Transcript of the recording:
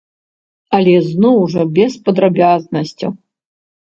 Але зноў жа без падрабязнасцяў.